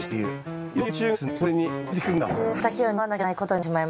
はい。